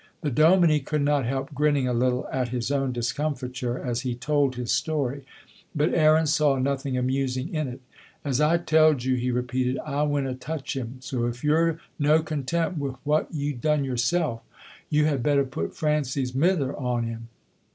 The dominie could not help grinning a little at his own discomfiture as he told this story, but Aaron saw nothing amusing in it. "As I telled you," he repeated, "I winna touch him, so if you're no content wi' what you've done yoursel', you had better put Francie's mither on him."